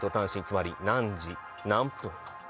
つまり何時何分。